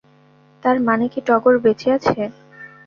তার মানে কি টগর বেঁচে আছে?